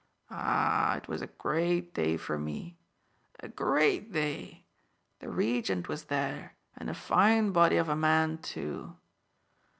"Ah, it was a great day for me! A great day! The Regent was there, and a fine body of a man too!